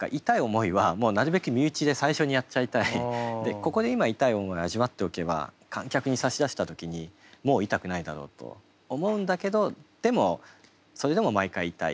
ここで今痛い思い味わっておけば観客に差し出した時にもう痛くないだろうと思うんだけどでもそれでも毎回痛い。